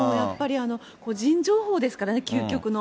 個人情報ですからね、究極の。